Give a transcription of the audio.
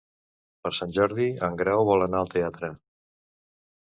Per Sant Jordi en Grau vol anar al teatre.